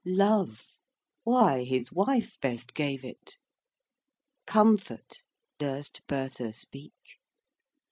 Love: why, his wife best gave it; Comfort: durst Bertha speak?